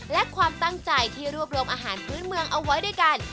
และความตั้งใจที่รวบรวมอาหารพื้นเมืองเอาไว้ด้วยกัน